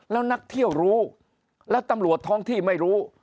แล้วนักเที่ยวรู้และตำรวจท้องที่ไม่รู้